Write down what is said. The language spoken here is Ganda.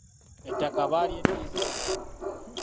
Ettaka baalyeddizza.